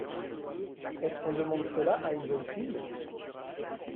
Est-ce qu’on demande cela à une jeune fille ?